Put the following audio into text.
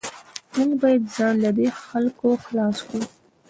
موږ باید ځان له دې خلکو خلاص کړو